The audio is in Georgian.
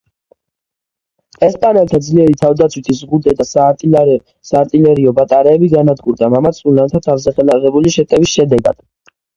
ესპანელთა ძლიერი თავდაცვითი ზღუდე და საარტილერიო ბატარეები განადგურდა მამაც ულანთა თავზეხელაღებული შეტევის შედეგად.